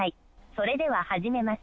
それでは始めます。